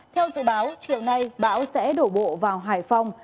theo dự báo chiều nay bão sẽ đổ bộ vào hải phòng